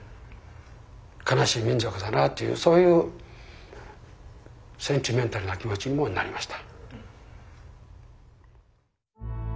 悲しい民族だなというそういうセンチメンタルな気持ちにもなりました。